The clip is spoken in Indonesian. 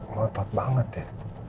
ngotot banget ya